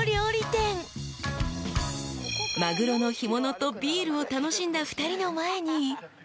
［マグロの干物とビールを楽しんだ２人の前に］